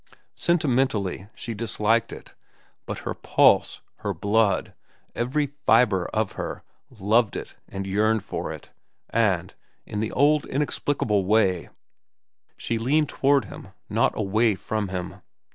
Sentimentally, she disliked it. But her pulse, her blood, every fibre of her, loved it and yearned for it, and, in the old, inexplicable way, she leaned toward him, not away from him.